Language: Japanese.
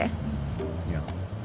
いや。